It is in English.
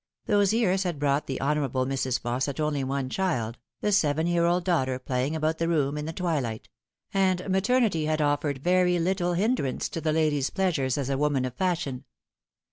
Those years had brought the Hon ourable Mrs. Fausset only one child, the seven year old daughter playing about the room in the twilight ; and maternity had offered very little hindrance to the lady's pleasures as a woman of fashion.